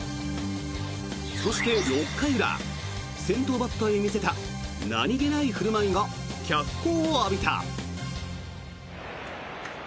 そして、６回裏先頭バッターへ見せた何げない振る舞いが脚光を浴びた。